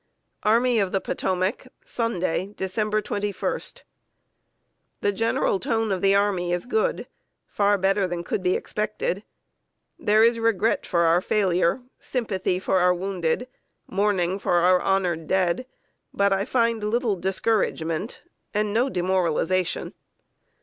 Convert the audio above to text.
ARMY OF POTOMAC, Sunday, Dec. 21. The general tone of the army is good; far better than could be expected. There is regret for our failure, sympathy for our wounded, mourning for our honored dead; but I find little discouragement and no demoralization.